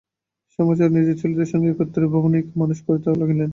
শ্যামাচরণ নিজের ছেলেদের সঙ্গে একত্রেই ভবানীকে মানুষ করিতে লাগিলেন।